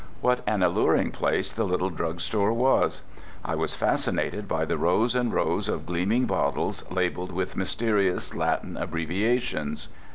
What an alluring place the little drugstore was! I was fascinated by the rows and rows of gleaming bottles labelled with mysterious Latin abbreviations.